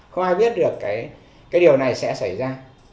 không ai biết được cái điều này sẽ xảy ra